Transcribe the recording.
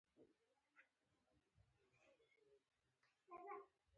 له جرمنیانو سره بېخي نږدې مخ شو.